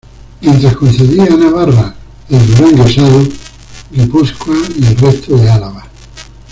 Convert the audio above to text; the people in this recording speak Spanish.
Mientras concedía a Navarra el Duranguesado, Guipúzcoa y el resto de Álava.